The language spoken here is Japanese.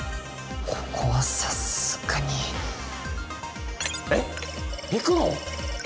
ここはさすがにえっ行くの？